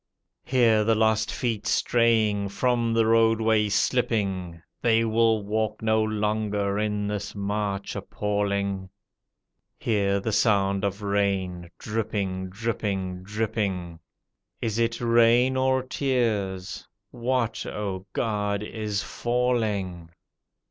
Hear the lost feet straying, from the roadway slipping. They will walk no longer in this march appalling ; Hear the sound of rain dripping, dripping, dripping. Is it rain or tears? What, O God, is falling?